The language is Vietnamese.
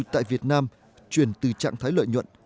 tại việt nam chuyển từ trạng thái lợi nhuận